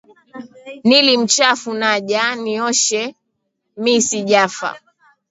Nili mchafu naja, Nioshe mi sijafa.